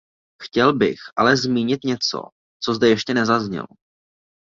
Chtěl bych ale zmínit něco, co zde ještě nezaznělo.